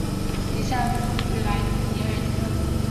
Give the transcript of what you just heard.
以下数据来自尼尔森。